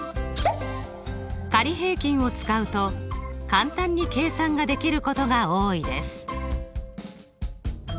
仮平均を使うと簡単に計算ができることが多いです。